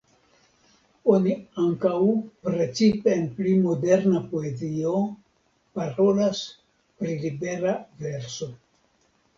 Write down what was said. Oni ankaŭ, precipe en pli "moderna" poezio, parolas pri libera verso.